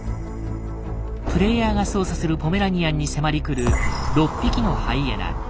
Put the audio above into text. プレイヤーが操作するポメラニアンに迫り来る６匹のハイエナ。